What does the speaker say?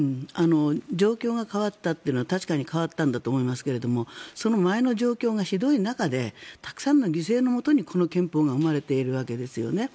状況が変わったというのは確かに変わったんだと思いますけれどもその前の状況がひどい中でたくさんの犠牲のもとにこの憲法が生まれているわけですよね。